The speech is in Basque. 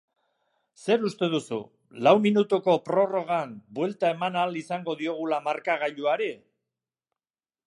Zer uste duzu, lau minutuko prorrogan buelta eman ahal izango diogula markagailuari?